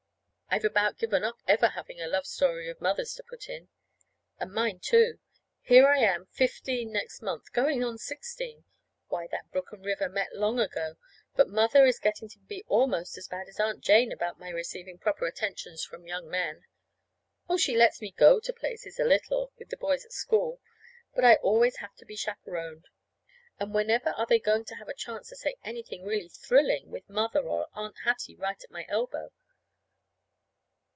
I've about given up ever having a love story of Mother's to put in. And mine, too. Here I am fifteen next month, going on sixteen. (Why, that brook and river met long ago!) But Mother is getting to be almost as bad as Aunt Jane was about my receiving proper attentions from young men. Oh, she lets me go to places, a little, with the boys at school; but I always have to be chaperoned. And whenever are they going to have a chance to say anything really thrilling with Mother or Aunt Hattie right at my elbow?